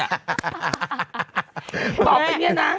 ตอบเป็นอย่างนี้นะ